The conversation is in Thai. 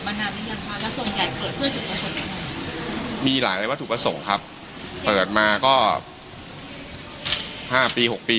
เพื่อถูกประสงค์มีหลายหลายว่าถูกประสงค์ครับเปิดมาก็ห้าปีหกปี